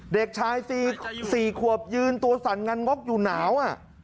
เด็กชาย๔ขวบยืนตัวสั่นงันงกอยู่หนาว